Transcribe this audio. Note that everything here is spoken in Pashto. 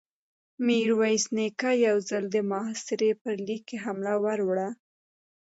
ميرويس نيکه يو ځل د محاصرې پر ليکې حمله ور وړه.